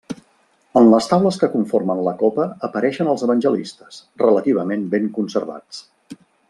En les taules que conformen la copa apareixen els evangelistes, relativament ben conservats.